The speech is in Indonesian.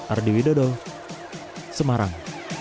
ardi widodo semarang